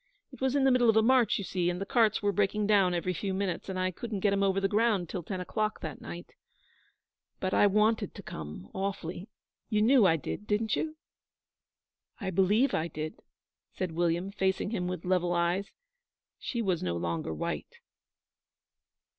It was in the middle of a march, you see, and the carts were breaking down every few minutes, and I couldn't get 'em over the ground till ten o'clock that night. But I wanted to come awfully. You knew I did, didn't you?' 'I believe I did,' said William, facing him with level eyes. She was no longer white.